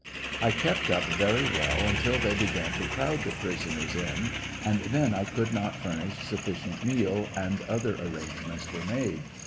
I kept up very well until they began to crowd the prisoners in, and' then I could not furnish sufficient meal, and other arrangements were made.